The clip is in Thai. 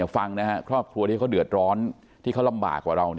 ฟังนะครับครอบครัวที่เขาเดือดร้อนที่เขาลำบากกว่าเรา